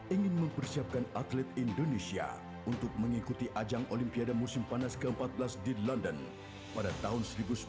ingin mempersiapkan atlet indonesia untuk mengikuti ajang olimpiade musim panas ke empat belas di london pada tahun seribu sembilan ratus sembilan puluh